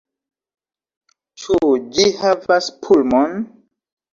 Ĉu ĝi havas pulmon?